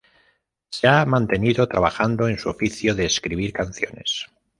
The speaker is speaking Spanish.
Se ha mantenido trabajando en su oficio de escribir canciones.